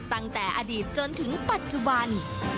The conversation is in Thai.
ตั้งแต่อดีตจนถึงปัจจุบัน